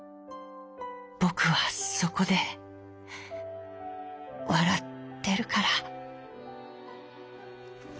ぼくはそこでわらってるから」。